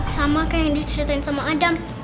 sama kayak yang diceritain sama adam